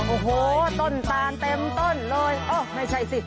โอ้โหต้นตานเต็มต้นเลยโอ้ไม่ใช่สิ